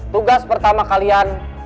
tugas pertama kalian